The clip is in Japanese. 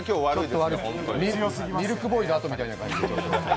ミルクボーイのあとみたいな感じで。